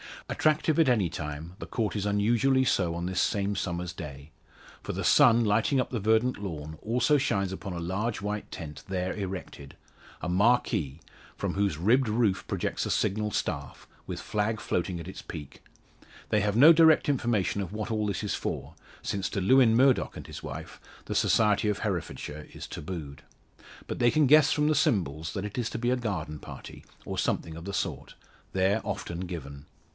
Attractive at any time, the Court is unusually so on this same summer's day. For the sun, lighting up the verdant lawn, also shines upon a large white tent there erected a marquee from whose ribbed roof projects a signal staff, with flag floating at its peak. They have had no direct information of what all this is for since to Lewin Murdock and his wife the society of Herefordshire is tabooed. But they can guess from the symbols that it is to be a garden party, or something of the sort, there often given.